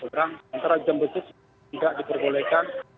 seberang antara jam betul tidak diperbolehkan